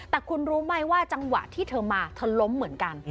แต่คุณรู้ไหมว่าจังหวะที่เธอมาเธอล้มเหมือนกัน